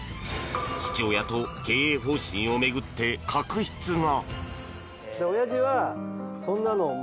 父親と経営方針を巡って確執が。